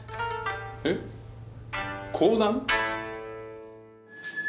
えっ講談？